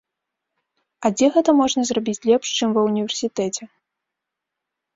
А дзе гэта можна зрабіць лепш, чым ва ўніверсітэце?